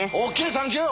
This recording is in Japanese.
サンキュー！